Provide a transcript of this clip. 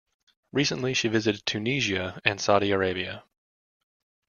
Recently, she visited Tunisia and Saudi Arabia.